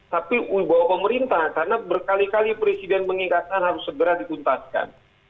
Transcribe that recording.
tapi wibawa pemerintah karena berkali kali presiden mengingatkan harus segera dituntaskan